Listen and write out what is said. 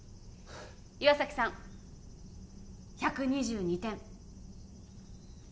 岩崎さん１２２点